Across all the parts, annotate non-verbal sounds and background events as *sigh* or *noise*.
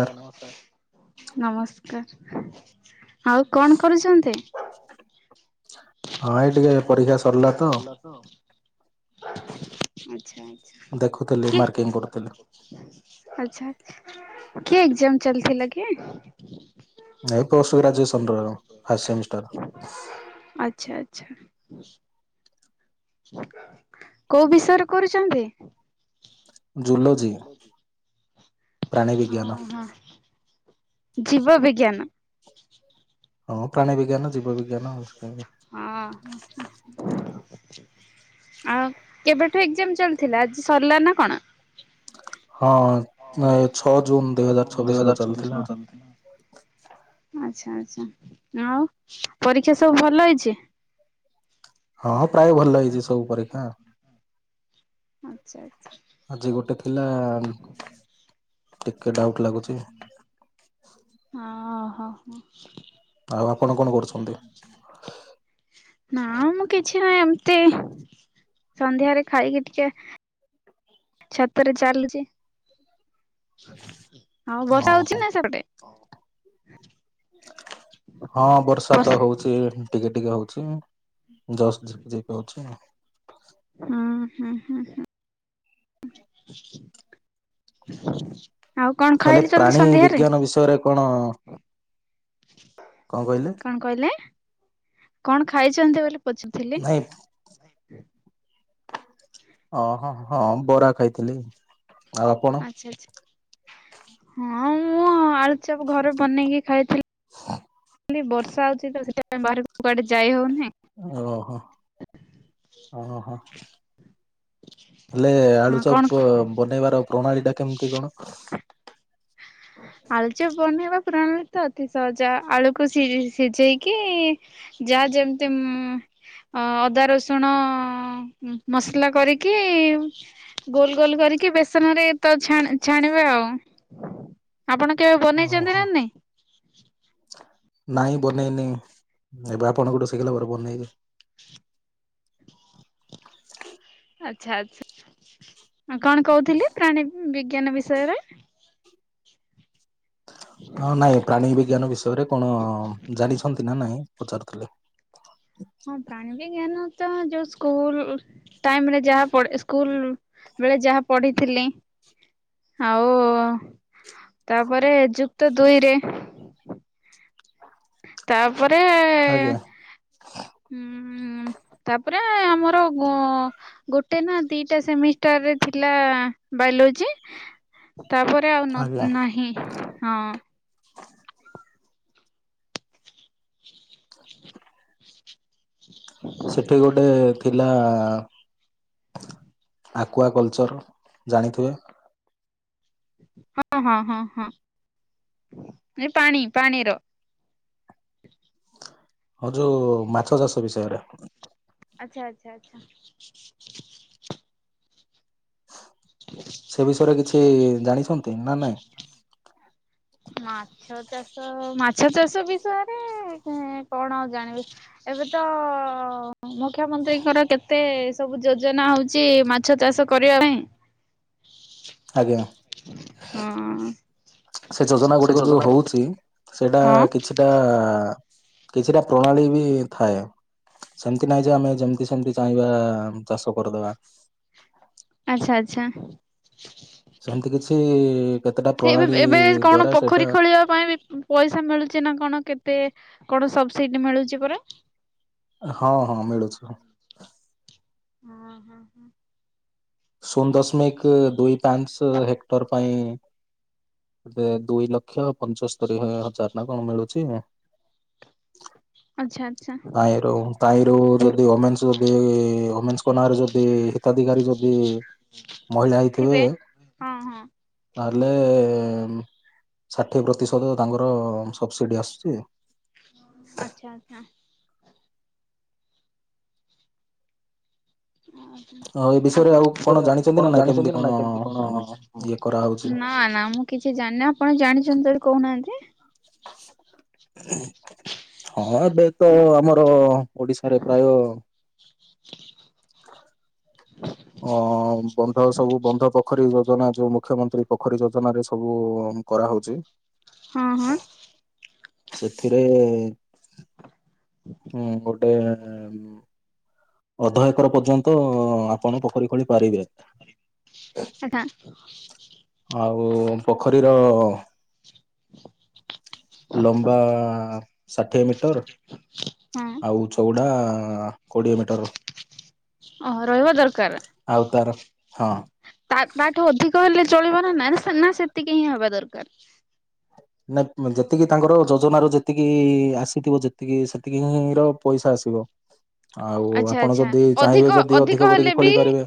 ଆଜ୍ଞା ନମସ୍କାର। ନମସ୍ *unintelligible* ଆଉ କଣ କରୁଛନ୍ତି? ହଁ ଏ ଟିକେ ପରକ୍ଷା ସରିଲା ତ। *unintelligible* ଆଚ୍ଛା। ଦେଖୁଥିଲି କି ମାର୍କିଂ କରୁଥିଲି। ଆଚ୍ଛା। କି ଏକଜାମ୍? ଚାଲିଥିଲା କି? ଏଇ ପୋଷ୍ଟ ଗ୍ରାଜୁଏସନ ର ଫାଷ୍ଟ ସେମିଷ୍ଟାର ଆଚ୍ଛା। କୋଉ ବିଷୟରେ କରୁଛନ୍ତି। *unintelligible* ଲୋଜି ପ୍ରାଣୀ ବିଜ୍ଞାନ। ଓହୋ ଜୀବ ବିଜ୍ଞାନ। ହଁ ପ୍ରାଣୀ ବିଜ୍ଞାନ, ଜୀବ ବିଜ୍ଞାନ ହଁ *unintelligible* ଆଉ କେବେଠୁ ଏଜାମ ଚାଲିଥିଲା ଆଜି ସରିଲା ନା କଣ। ହଁ। ଅ ଛଅ ଜୁନ ଦୁଇ ହଜାର ଛବିଶ ରୁ ଚାଲିଥିଲା। ଆଚ୍ଛା ଆଉ ପରୀକ୍ଷା ସବୁ ଭଲ ହେଇଛି। ହଁ ପ୍ରାୟ ଭଲ ହେଇଛି ସବୁ ପରୀକ୍ଷା। ଆଚ୍ଛା । ଆଜି ଗୋଟେ ଥିଲା ଟିକେ ଡାଉଟ ଲାଗୁଛି। ହଁ ହୋ ହୋ। ଆଉ ଆପଣ କଣ କରୁଛନ୍ତି। ନା ମୁଁ କିଛି ନାହିଁ ଏମତି ସନ୍ଧ୍ୟାରେ ଖାଇକି ଟିକେ ଛାତରେ ଚାଲୁଛି। ଆଉ ବର୍ଷା ଓହୋ ହଁ ହଉଛି ନା ସେପଟେ। *inaudible* ହଁ ବର୍ଷା ବସ୍ ତ ହଉଛି ଟିକେ ଟିକେ ହଉ ଛି ଜଷ୍ଟ ଝିପ୍ ଝିପ୍ ହଉଚି ଆଉ। ହୁଁ। ହୁଁ ହୁଁ ହୁଁ *inaudible* ହେଲେ ପ୍ରାଣୀ ବିଜ୍ଞାନ ବିଷୟରେ କଣ କଣ କହିଲେ କଣ ଖାଇଛନ୍ତି ବୋଲି *unintelligible* ନାଇଁ ଓ ହଁ ହଁ ବରା ଖାଇଥିଲି। ଆଉ ଆପଣ? ଆଛା ଆଛା ହଁ। ଆଳୁଚପ୍ ଘରେ ବନେଇକି ଖାଇଥିଲି। *inaudible* ଖାଲି ବର୍ଷା ହଉଛି ତ ସେଥିପାଇଁ ବାହାର କୁ କୁଆଡେ ଯାଇ ହଉନି। ଓହୋ ଓହୋ। ହେଲେ ହଁ କଣ ଆଳୁଚପ ବନେଇବାର ପ୍ରଣାଳୀ ଟା କେମିତି କଣ। ଆଳୁ ଚପ ବନେଇ ବା ପୁରାଣା ତ ଅତି ସହଜା ଆଳୁକୁ ସି ସିଝେଇକି ଯାହା ଯେମିତି ଅଦା ରସୁଣ ମସଲା କରିକି ଗୋଲ ଗୋଲ କରିକି ବେସନ ରେ ତଛ ଛାଣିବ ଆଉ। ଆପଣ କେବେ ବନେଇଚନ୍ତି ଓହୋ ନା ନାଇଁ। ନାଇଁ ବନେଇନି ଏବେ ଆପଣ ଗୋଠେ ଶିଖିଲା ପରେ ବନେଇକି। ଆଛା ଆଛା କଣ କହୁଥିଲି ପ୍ରାଣୀ ବିଜ୍ଞାନ ବିଷୟରେ। ହଁ ନାଇଁ ପ୍ରାଣୀ ବିଜ୍ଞାନ ବିଷୟରେ କଣ ଜାଣିଛନ୍ତି ନା ନାହିଁ। ପଚାରୁିଥିଲେ। ହଁ ପ୍ରାଣଙ୍କ ଜ୍ଞାନ ତ ଯଉ ସ୍କୁଲ। ଟାଇମ ରେ ଯାହା ପଳ ସ୍କୁଲ। ବେଳେ ଯାହା ପଢିଥିଲି ଆଉ ତାପରେ ଯୁକ୍ତ ଦୁଇରେ। ତାପ ତାପରେ ହଁ। ଆଜ୍ଞା ହଁ ତାପରେ ଆମର ଗୋଟେ ନା ଦିଟା ସେମିଷ୍ଟରରେ ଥିଲା ବାୟୋଲୋଜି। ତାପରେ ଆଜ୍ଞା ଆଉ ନାହିଁ। ହଁ। ସେଠି ଗୋଟେ ଥିଲା। ଆକୁୱଆ କଲଚର୍ ଜାଣିଥିବେ। ହଁ ହଁ ହଁ ହଁ ଏ ପାଣି ପାଣିର। ହଉ ଯଉ ମାଛ ଚାଷ ବିଷୟରେ। ଆଛା ଆଛା ଆଛା। ସେ ବିଷୟରେ କିଛି ଜାଣିଛନ୍ତି ନା ନାଇଁ। ମାଛ ଚାଷ ମାଛ ଚାଷ ବିଷୟରେ କଣ ଆଉ ଜାଣିବି ଏବେ ତ ମୁଖ୍ୟମନ୍ତ୍ରୀଙ୍କର କେତେ ସବୁ ଯୋଜନା ହଉଛି ମାଛ ଚାଷ କରିବା ପାଇଁ। ଆଜ୍ଞା। ହଁ ସେ ଯୋଜନା ଗୁଡିକ ଯୋଉ ହଉଛି ସେଇଟା ହଁ କିଛିଟା କିଛିଟା ପ୍ରଣାଳୀ ବି ଥାଏ ସେମିତି ନହିଁ ଯେ ଆମେ ଯେମତି ସେମିତି ଚାହିଁବା ଚାଷ କରିଦବା। ଆଛା ଆଛା। କିଏ? ବେ ଏବେ କଣ ପୋଖରୀ ଖୋଳିବା ପାଇଁ ବି ପଇସା ମିଳୁଛି ନା କଣ କେତେ? କଣ ସବସିଡି ମିଳୁଛି ପରା। ହଁ ହଁ ମିଳୁଛୁ ହଁ। ହଁ ହଁ ହୁଁ। ଶୂନ ଦଶମିକ ଦୁଇ ପାଞ୍ଚ ହେକ୍ଟର ପାଇଁ ଏ ଦୁଇ ଲକ୍ଷ। ପଞ୍ଚସ୍ତରୀ ହଜାର ନା କଣ ମିଳୁଛି। ଆଚ୍ଛା। ଆଚ୍ଛା ତାହିରୁ ତାହିରୁ ଯଦି ଓମେନ୍ସ ଯଦି ଓମେନ୍ସଙ୍କ ନାଁରେ ଯଦି ହିତା ଧିକାରୀ ଯଦି ମହିଳା ହେଇଥିବେ ଥିବେ ହଁ ହଁ। ତାହେଲେ ଷାଠିଏ ପ୍ରତିଶତ ତାଙ୍କର ସବସିଡି ଆସୁଛି। ଆଚ୍ଛା ଆଚ୍ଛା। ଆଉ ଏ ଆ ବିଷୟରେ ଆପଣ ଆଉ କଣ ଜାଣିଛନ୍ତି ନା ତାପରେ ନାଇଁ କେମିତି ଜାଣିଛନ୍ତି ନା କଣ ନାହିଁ କେମିତି କଣ ଇଏ କରାହଉଛି ନା ନା ମୁଁ କିଛି ଜାଣିନି ଆପଣ ଜାଣିଛନ୍ତି ଯଦି କହୁନାହାଁନ୍ତି। ହଁ ଏବେ ତ ଆମର ଓଡିଶାରେ ପ୍ରାୟ ଅ ବନ୍ଧ ସବୁ ବନ୍ଧ ପୋଖରୀ ଯୋଜନା ଯୋଉ ମୁଖ୍ୟମନ୍ତ୍ରୀ ପୋଖରୀ ଯୋଜନାରେ ସବୁ କରାହ‌ଉଚି। ହଁ ହଁ। ସେଥିରେ ହୁଁ ଗୋଟେ ଅଧ ଏକର ପର୍ଯ୍ୟନ୍ତ ଆପଣ ପୋଖରୀ ଖୋଳି ପାରିବେ। ସେଟା। ଓ ପୋଖରୀର ଲମ୍ବା ଷାଠିଏ ମିଟର ହଁ ଆଉ ଚଉଡା ହଁ କୋଡ଼ିଏ ମିଟ ଟର। ଓ ରହିବା ଦରକାର। ତାର ହଁ ତା ତାଠୁ ଅଧିକ ହେଲେ ଚଳିବ ନା ନା ନା ସେତିକି ହିଁ ହବା ଦରକାର। ନା ଯେତିକି ତାଙ୍କର ଯୋଜନାର ଯେତିକି ଆସିଥବ ଯେତିକି ସେତିକିର ପ‌ଇସା ଆସିବ। ଆଉ ଆଚ୍ଛା ଆପଣ ଆଚ୍ଛା ଯଦି ଚାହିଁବେ ଅଧିକ ଯଦି ଅଧିକ କରିକି ହେଲେ ବି ଖୋଳି ପାରିବେ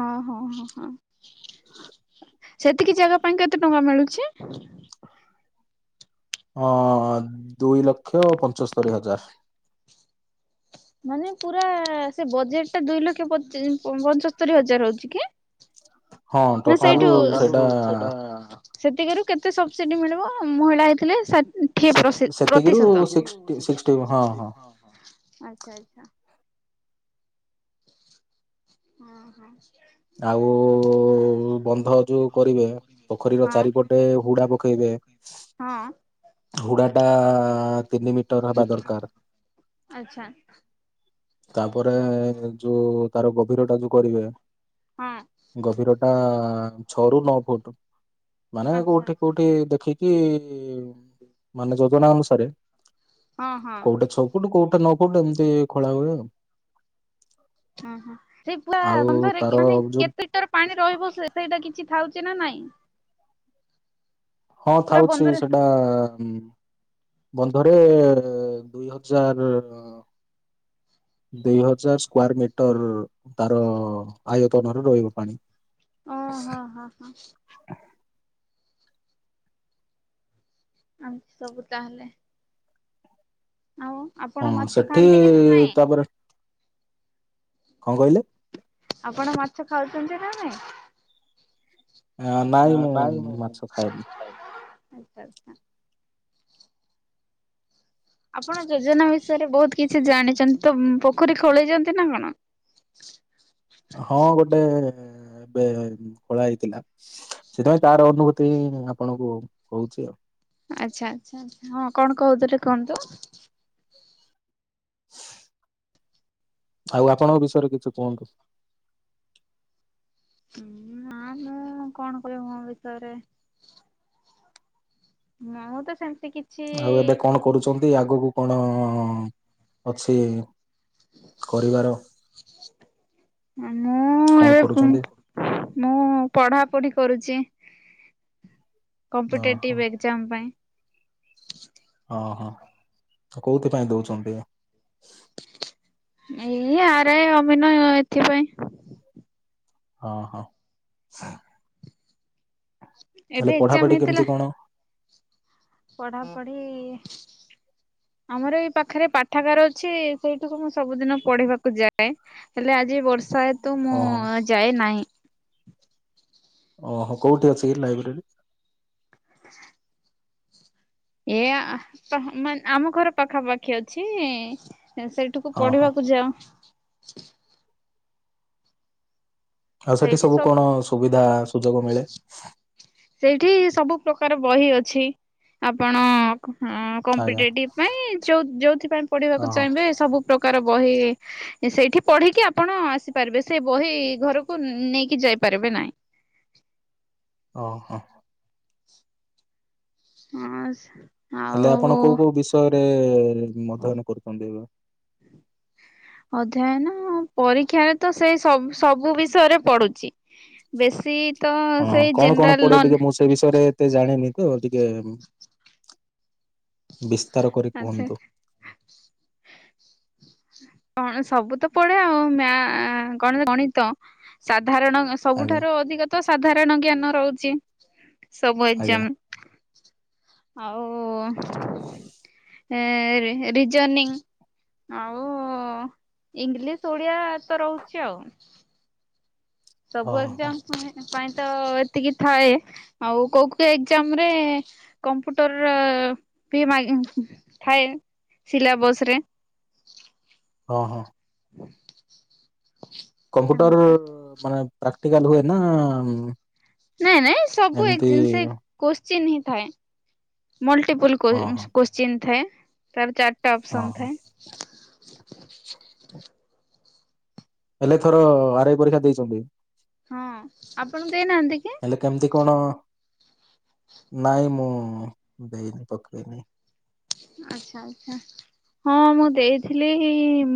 ଓହୋ ହଁ ହଁ ହଁ ସେତିକି ଜାଗା ପାଇଁକା କେତେ ଟଙ୍କା ମିଳୁଛି? ହଁ ଦୁଇ ଲକ୍ଷ ପଞ୍ଚସ୍ତରୀ ହଜାର। ମାନେ ପୁରା ସେ ବଜେଟ ଟା ଦୁଇ ଲକ୍ଷ ପଚି ପଞ୍ଚସ୍ତରୀ ହଜାର ହଉଛି କି? ହ *inaudible* ହଁ ଟୋଟାଲରୁ ସେଇଟା ସେତିକିରୁ କେତେ ସବ୍ ସିଡି ମିଳିବ ମହିଳା ହେଇଥିଲେ ସା କିଏ ସେ ପ୍ରଶି ସେତିକିରୁ ପ୍ରତିଶତ ସିକ୍ସଟି ସିକ୍ସଟି ହଁ ହଁ ଆଚ୍ଛା ଆଚ୍ଛା। ହଁ ହଁ। ଆଉ ବନ୍ଧ ଯୋଉ କରିବେ ପୋଖରୀର ଚାରିପଟେ ହୁଡା ପକେଇବେ। ହଁ ହୁଡ଼ା ଟା ଆ ତିନି ମିଟର ହେବା ଦରକାର। ଆଚ୍ଛା ତାପରେ ଯୋଉ ତାର ଗଭୀର ଟା ଯୋଉ କରିବେ ହଁ ଗଭୀର ଟା ଆ ଛଅରୁ ନଅ ଫୁଟେ। ମାନେ ଆଚ୍ଛା କୋଉଠି ଆଚ୍ଛା କୋଉଠି ଦେଖିକି କିଏ ଏ ମାନେ ଯେଜନା ଅନୁସାରେ ହଁ ହଁ। କୋଉଟା ଛ ଫୁଟେ କୋ ନଅ ଫୁଟ ଏମିତି ଖେଳାହୁଏ। ଓ ହ ସେଇ ପୁରା ଆଉ ବନ୍ଧରେ ତାର ମାନେ ଯୋଉ କେତେ ଲିଟର ପାଣି ରହିବ ସେଇଟା କି କିଛି ଫାଉଛି ନା ନାଇଁ? ହଁ ପୁରା ଫାଉଛି ବନ୍ଧରେ ସେଟା ମଁ ବନ୍ଧରେ ଦୁଇ ହଜାର ଦୁଇ ହଜାର ସ୍କୋୟାର୍ ମଟର ତାର ଆୟତନର ରହିବ ପାଣି। ଓ ହିଁ ହିଁ ହିଁ। ଆମ ସବୁ ତାହେଲେ। ଆଉ ଆପଣ ହଁ ମାଛ ସେଠି ଖାଆନ୍ତି କି ନା ନାଇଁ? ତାପରେ କଣ କହିଲେ? ଆପଣ ମାଛ ଖାଉଛନ୍ତି ନାଇଁ? ଆଁ ନାଇଁ ମୁଁ ମାଛ ଖଏନି। ଆଚ୍ଛା ଆଚ୍ଛା। ଆପଣ ଯୋଜନା ବିଷୟରେ ବହୁତ କିଛି ଜାଣିଛନ୍ତି ତ ଉଁ ପୋଖରୀ ଖୋଳେଇଛନ୍ତି ନା କଣ? ହଁ ଗୋଟେ ଉଁ ଏବେ ଖୋଳା ହେଇଥିଲା ସେଥିଟା ତାର ଅନୁଭୂତି ହିଁ ଆପଣଙ୍କୁ କହୁଛି ଆଉ। ଆଛା ଆଛା ହଁ କଣ କୁହୁଥୁଲୁ କୁହନ୍ତୁ। ଆଉ ଆପଣଙ୍କ ବିଷୟରେ କିଛି କୁହନ୍ତୁ? ହୁଁ ନା ମୁଁ କଣ କହିବି ମୋ ବିଷୟରେ। ମୁଁ ତ ସେମି ଆଉ ଏବେ କଣ କରୁଛନ୍ତି ଆଗକୁ କଣ ଅଛି କରିବାର ମୁଁ କଣ ଏ କରୁଛନ୍ତି ମୁଁ ପଢାପଢି କରୁଚି। ଓହୋ କମ୍ପିଟେଟିଭ୍ ଏଗ୍ ଜାମ୍ ପାଇଁ। ଓ ହଁ କୋଉଥିପାଇଁ ଦଉଛନ୍ତି? ଏଇ ଆର୍ ଆଇ ଅମିନୟ ଏଥିପାଇଁ। ହଁ ହଁ। ତାହେଲେ ଏବେ ଏକ୍ଜାମ ପଢାପଢି ହେଇଥିଲା କେମତି କଣ? ପଢାପଢି ଆମର ଏଇ ପାଖରେ ପାଠାଗାର ଅଛି ସେଇଠୁକୁ ମୁଁ ସବୁଦିନ ପଢିବାକୁ ଯାଏ ହେଲେ ଆଜି ବର୍ଷ ସହତୁ ମୁଁ ଓହୋ ଯାଏ ନାହିଁ । ଓହୋ କୋଉଠି ଅଛି କି ଲାଇବ୍ରେରୀ *inaudible* ଏ ଆମ ଘର ପାଖାପାଖି ଅଛି । ସେଇଠିକୁ ଓହୋ ପଢିବାକୁ ଯାଉଁ। *unintelligible* ଆଉ ସେଠି ସବୁ କଣ ସୁବିଧା ସୁଯୋଗ ମିଳେ? ସେଇଠି ସବୁ ପ୍ରକାର ବହି ଅଛି ଆପଣ ହଁ ଆଜ୍ଞା କମ୍ପିଟେଟିଭ ପାଇଁ ଯଉ ଯୋଉଥିପାଇ ପଢିବାକୁ ଓହୋ ଚାହିଁବେ ସବୁ ପ୍ର କାର ବହି ସେଇଠି ପଢିକି ଆପଣ ଆସିପାରିବେ ସେ ବହି ଘରକୁ ନେଇକି ଯାଇପାରିବେ ନାଇଁ। ଓ ହୋ। *unintelligible* ହଁ। ହେଲେ ଆପଣ କୋଉ କୋଉ ବିଷୟ ଗ ମଧ୍ୟହନ କରୁଛନ୍ତି ଏବେ। ଅଧ୍ୟୟନ ପରୀକ୍ଷାରେ ତ ସେଇ ସବୁ ସବୁ ବିଷୟରେ ପଢୁଛି। ବେଶୀ ତ ହଁ ହଁ ସେଇ କଣ କଣ ଜେନେରାଲ ପଡେ ଟିକେ ନଲେ ମୁଁ ସେ ବିଷୟରେ ଏତେ ଜାଣିନି ଟିକେ ବି ତାର କରି ଆଛା କୁହନ୍ତୁ। କଣ ସବୁ ତ ପଡେ ଆଉ ମା ଗଣ ଗଣିତ ଶା ଧାରଣ ଆଜ୍ଞା ସବୁଠାରୁ ଅଧିକ ତ ସାଧାରଣ ଜ୍ଞାନ ରହୁଛି। ସବୁ ଆଜ୍ଞା ଏକଜାମ୍ । ଆଉ ରିଜନିଂ, ଆଉ ଇଂଲିଶ ଓଡିଆ ତ ରହୁଛି ଆଉ । ସବୁ ହଁ ହଁ ଏକ୍ଜାମ ପାଇଁ ତ ଏତିକି ଥାଏ ଆଉ କୋଉ କୋଉ ଏକ୍ଜାମ ରେ କମ୍ପ୍ୟୁଟର ବି ମା ଥାଏ ସିଲାବସ ରେ । ହଁ ହଁ। ହୁଁ । କମ୍ପୁଟର ମାନେ ପ୍ରାକ୍ଟିକାଲ ହୁଏ ନା ମ ନାଇଁ ନାଇଁ ସବୁ ଏକ ଜିନିଷ ଏ କୋ ଚିହ୍ନି ଥାଏ । ମଲ୍ଟିପୁଲ୍ କୋ ହଁ ହଁ କୋଶ୍ଚିନ୍ ଥାଏ। ତାର ଚାରି ଟା ହଁ ଅପସନ୍ ହଁ ଥାଏ । ହେଲେ ଥର ଆରାଇ ପରୀକ୍ଷା ଦେଇଚନ୍ତି । ହଁ ଆପଣ ଦେଇନାହାନ୍ତି କି? ହେଲେ କେମିତି କଣ *inaudible* ନାଇଁ ମୁଁ ଦେଇନି ପକେଇନି । ଆଛା ଆଛା ହଁ ମୁଁ ଦେଇଥିଲି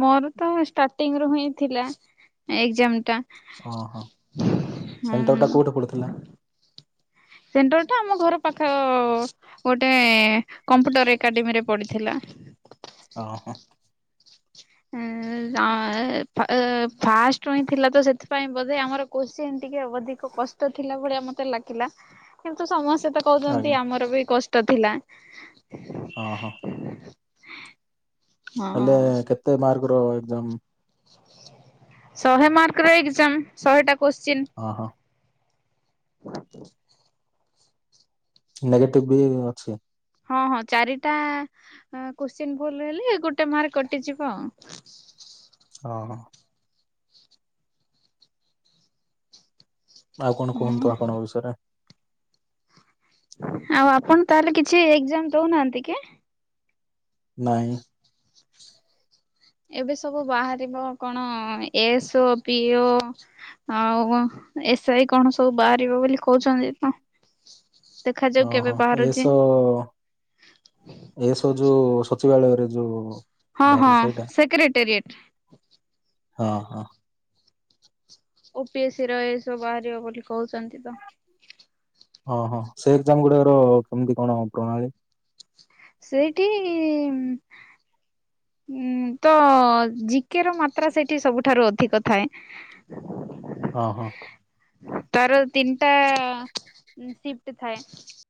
ମୋର ତ ଷ୍ଟାର୍ଟିଂ ରୁ ହିଁ ଥିଲା ଏକ୍ଜାମ୍ ଟା । ଅ ହ *inaudible* ସେଣ୍ଟର ଟା ହୁଁ କୋଉଠି ପଡିଥିଲା। ସେଣ୍ଟର ଟା ଆମ ଘର ପାଖ ଅ ଗୋଟେ କମ୍ପୁଟର ଏକାଡେମୀରେ ପଡିଥିଲା। ଅ ହ । ଏଁ ଅଁ ଏଁ ଫାଷ୍ଟରୁ ହଁ ଥିଲା ତ ସେଥିପାଇଁ ବୋଧେ ଆମର କୁଚ୍ ସେମ୍ ଟିକେ ଆଉ ଅଧିକ କଷ୍ଟ ଥିଲା ଭଳିଆ ମ ଲାଗିଲା କିନ୍ତୁ ସମସ୍ତେ କହୁଛନ୍ତି ଆଜ୍ଞା ଆମର ବି କ ତ ଥିଲା। ଅହ । ହଁ । ତା ମାର୍କ୍ ର ଏକ୍ଜାମ? *inaudible* ଶହେ ମାର୍କ ର ଏକ୍ଜାମ ଶହେଟା କୋଶ୍ଚିନ। ଓହୋ ନେଗେଟିବ୍ ବି ଅଛି । ହଁ ହଁ ଚାରିଟା ଆ କୋଶ୍ଚିନ୍ ଭୁଲ ହେଲେ ଗୋଟେ ମାର୍କ କଟିଯିବ ଆଉ। *inaudible* ଅହ। ଆଉ କଣ କୁହନ୍ତୁ ଆପଣଙ୍କ ବିଷୟରେ । ଆଉ ଆପଣ ତାହେଲେ କିଛି ଏକ୍ଜାମ ଦଉନାହାନ୍ତି କି? ନାହିଁ । ଏବେ ସବୁ ବାହାରିବ କଣ ଏସ୍ ଓ ପି ଓ ଆଉ କଅଁ ଏସ୍ ଆଇ କଣ ସବୁ ବାହାରିବ ବୋଲି କହୁଛନ୍ତି ତ। ଦେଖାଯାଉ ଅହ କେବେ ଏ ବାହାରୁଛି। ସ ଏ ସ୍ ଯଉ ସଚିବାଳୟରେ ଯଉ ହଁ ହଁ ସେକ୍ରେଟେରିଏଟ୍। ଅ ହ। ଓ ପି ଏ ସି ର ଏସବୁ ବାହାରିବ ବୋଲି କହୁଛନ୍ତି ତ । ଅ ହ ସେ ତଙ୍ଗୁଡ଼ାର କେମତି କଣ ପ୍ରଣାଳୀ? ସେଇଠି ଉ *inaudible* ଉଁ ତ ଜି କେ ର ମାତ୍ରା ସେଇଠି ସବୁଠାରୁ ଅଧିକ ଥାଏ । ଅ ହଁ । ତାର ତିନିଟା ଉଁ ସିପ୍ଟ ଥାଏ।